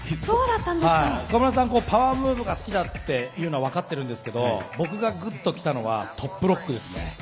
岡村さんはパワームーブが好きだっていうのが分かっていますが僕がグッと来たのはトップロックですね。